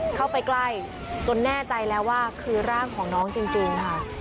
เข้าไปใกล้จนแน่ใจแล้วว่าคือร่างของน้องจริงค่ะ